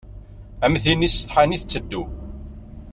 Am tin isetḥan i tetteddu.